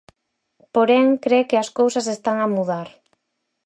Porén, cre que as cousas están a mudar.